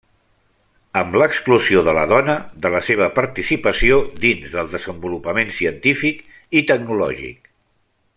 Amb l'exclusió de la dona de la seva participació dins del desenvolupament científic i tecnològic.